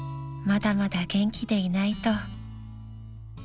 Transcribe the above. まだまだ元気でいないと］